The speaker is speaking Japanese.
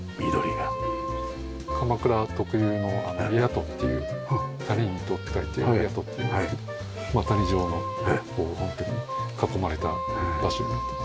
鎌倉特有の谷戸っていう「谷」に「戸」って書いて「やと」っていうんですけど谷状の囲まれた場所になってます。